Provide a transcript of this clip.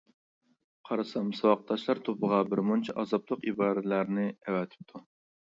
قارىسام ساۋاقداشلار توپىغا بىرمۇنچە ئازابلىق ئىبارىلەرنى ئەۋەتىپتۇ.